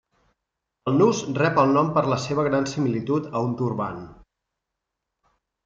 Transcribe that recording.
El nus rep el nom per la seva gran similitud a un turbant.